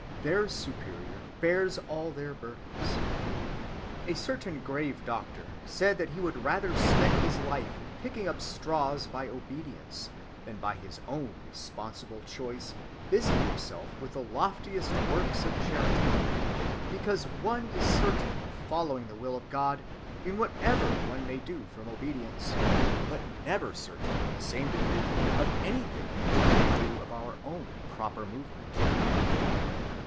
Their Superior bears all their burdens.... A certain grave doctor said that he would rather spend his life in picking up straws by obedience, than by his own responsible choice busy himself with the loftiest works of charity, because one is certain of following the will of God in whatever one may do from obedience, but never certain in the same degree of anything which we may do of our own proper movement."